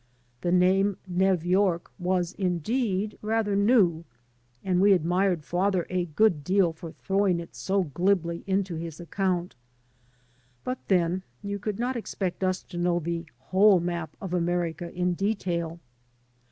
The name Nev York was, indeed, rather new, and we admired father a good deal for throwing it so glibly into his account. But then you could not expect us to know the whole map of America in detail.